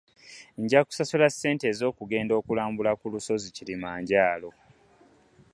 Njakusasula ssente ezo kugenda okulambula ku lusozi kirimanjaaro.